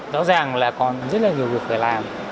rõ ràng là còn rất là nhiều việc phải làm